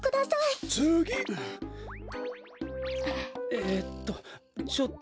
えっと。